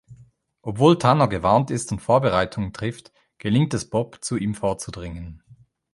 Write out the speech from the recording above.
Obwohl Tanner gewarnt ist und Vorbereitungen trifft, gelingt es Bob, zu ihm vorzudringen.